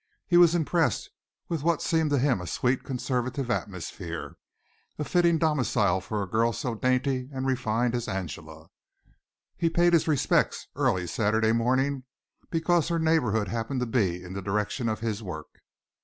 He was impressed with what seemed to him a sweet, conservative atmosphere a fitting domicile for a girl so dainty and refined as Angela. He paid his respects early Saturday morning because her neighborhood happened to be in the direction of his work.